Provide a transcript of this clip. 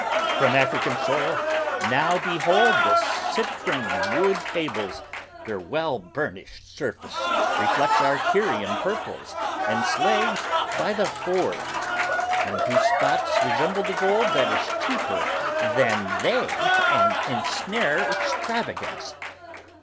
From African soil now behold The citron wood tables; their well burnished surface reflects Our Tyrian purples and slaves by the horde, and whose spots Resemble the gold that is cheaper than they and ensnare Extravagance.